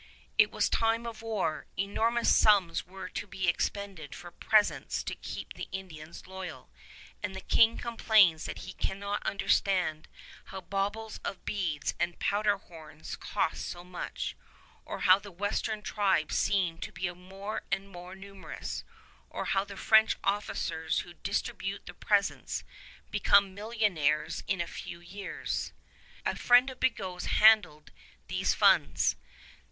It was time of war. Enormous sums were to be expended for presents to keep the Indians loyal; and the King complains that he cannot understand how baubles of beads and powderhorns cost so much, or how the western tribes seem to become more and more numerous, or how the French officers, who distribute the presents, become millionaires in a few years. A friend of Bigot's handled these funds.